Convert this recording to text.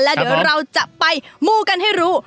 แล้วเดี๋ยวเราจะไปมูกันให้รู้